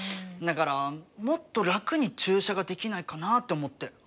だからもっと楽に駐車ができないかなあって思って。